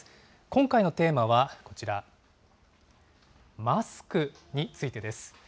今回のテーマはこちら、マスクについてです。